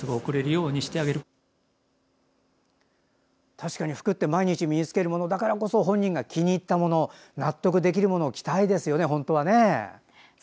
確かに服って毎日身に着けるものだからこそ本人が気に入ったもの納得できるものを着たいですよね、本当はね。